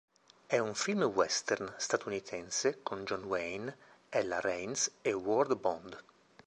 È un film western statunitense con John Wayne, Ella Raines e Ward Bond.